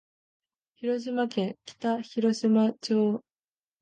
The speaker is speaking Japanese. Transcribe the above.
広島県北広島町